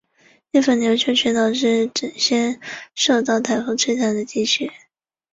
日本琉球群岛是最先受到台风摧残的地区。